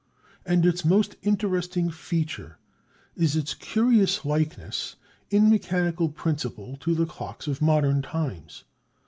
And its most interesting feature is its curious likeness in mechanical principle to the clocks of modern times.